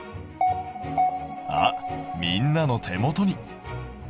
あっみんなの手元に。